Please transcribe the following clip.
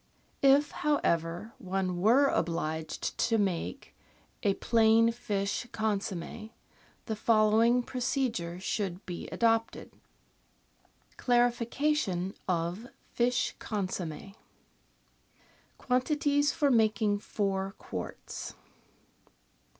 If, however, one were obliged to make a plain fish con somm^, the following procedure should be adopted :— Clarification of Fish Consomme Quantities for making Four Quarts.